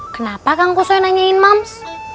kenapa tangguh soi nanyain mams